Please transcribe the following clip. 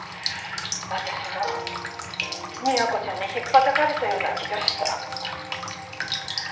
私も美也子ちゃんにひっぱたかれたような気がした。